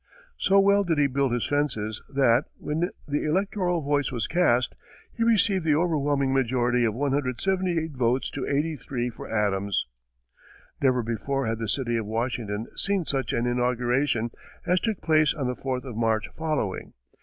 So well did he build his fences that, when the electoral vote was cast, he received the overwhelming majority of 178 votes to 83 for Adams. Never before had the city of Washington seen such an inauguration as took place on the fourth of March following.